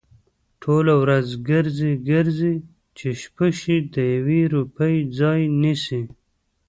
ټوله ورځ گرځي، گرځي؛ چې شپه شي د يوې روپۍ ځای نيسي؟